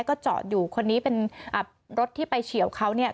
ก็เจาะอยู่คนนี้เป็นรถที่ไปเฉียวเขา